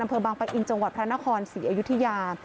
อำเภอบางปะอินจังหวัดพระนครศรีอยุธยา